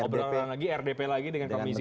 obrolan lagi rdp lagi dengan komisi